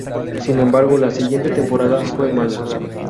Sin embargo la siguiente temporada fue mala.